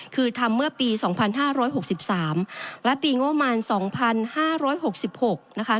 คือทำเมื่อปี๒๕๖๓และปีงบประมาณ๒๕๖๖นะคะ